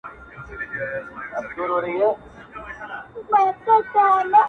دلته چې راتلو شپې مو د اور سره منلي وې.!